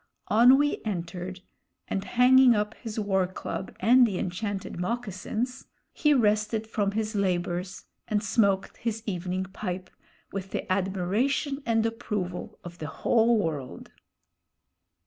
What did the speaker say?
Onwee entered, and hanging up his war club and the enchanted moccasins, he rested from his labors and smoked his evening pipe, with the admiration and approval of the whole world.